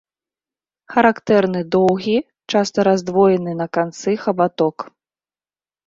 Характэрны доўгі, часта раздвоены на канцы хабаток.